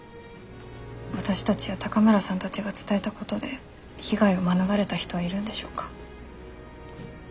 私たちや高村さんたちが伝えたことで被害を免れた人はいるんでしょうか？